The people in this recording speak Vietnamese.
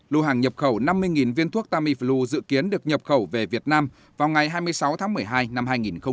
lô hàng nhập khẩu năm mươi viên thuốc tamiflu dự kiến được nhập khẩu về việt nam vào ngày hai mươi sáu tháng một mươi hai năm hai nghìn hai mươi